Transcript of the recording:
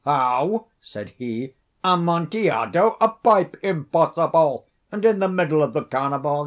"How?" said he. "Amontillado? A pipe? Impossible! And in the middle of the carnival!"